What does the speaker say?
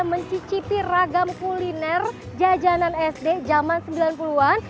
mencicipi ragam kuliner jajanan sd zaman sembilan puluh an